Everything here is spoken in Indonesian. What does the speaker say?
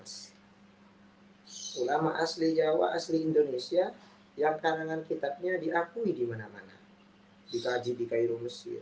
hai ulama asli jawa asli indonesia yang kanan kitabnya diakui dimana mana jika jika itu